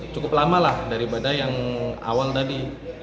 cukup lama lah daripada yang awal tadi